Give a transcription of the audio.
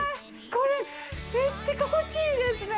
これ、めっちゃ心地いいですね。